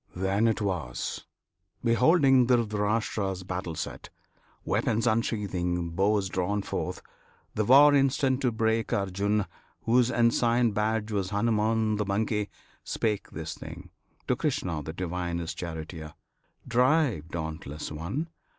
Then 'twas Beholding Dhritirashtra's battle set, Weapons unsheathing, bows drawn forth, the war Instant to break Arjun, whose ensign badge Was Hanuman the monkey, spake this thing To Krishna the Divine, his charioteer: "Drive, Dauntless One!